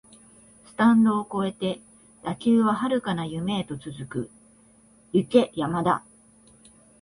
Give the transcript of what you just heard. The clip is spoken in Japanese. スタンド超えて打球は遥かな夢へと続く、行け山田